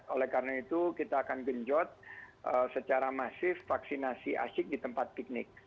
oleh karena itu kita akan genjot secara masif vaksinasi asyik di tempat piknik